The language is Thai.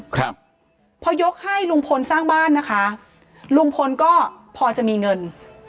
ครับพอยกให้ลุงพลสร้างบ้านนะคะลุงพลก็พอจะมีเงิน